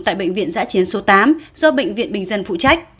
tại bệnh viện giã chiến số tám do bệnh viện bình dân phụ trách